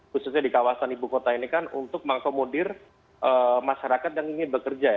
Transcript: khususnya di kawasan ibu kota ini kan untuk mengakomodir masyarakat yang ingin bekerja ya